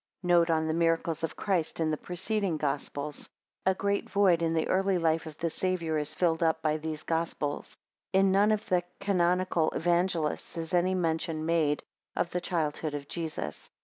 ] Note on the Miracles of Christ in the preceding Gospels. A great void in the early life of the Saviour is filled up by these Gospels. In none of the Canonical Evangelists is any mention made of the childhood of Jesus.